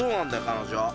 彼女。